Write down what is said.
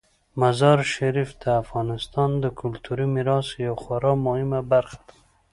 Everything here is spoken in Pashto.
مزارشریف د افغانستان د کلتوري میراث یوه خورا مهمه برخه ده.